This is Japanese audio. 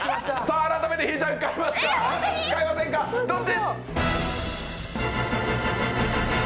改めて、ひぃちゃん買いますか買いませんか、どっち！？